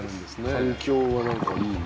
環境はなんかいいね。